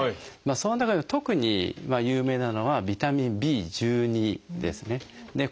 その中で特に有名なのはビタミンＢですね。